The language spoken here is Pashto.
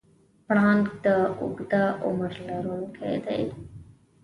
پړانګ د اوږده عمر لرونکی دی.